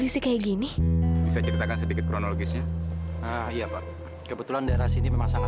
sampai jumpa di video selanjutnya